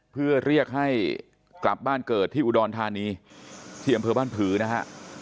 เพื่อเรียกให้กลับบ้านเกิดที่อุดรธานีที่อำเภอบ้านผือนะฮะ